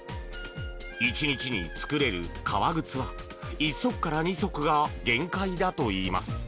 １日に作れる革靴は１足から２足が限界だといいます。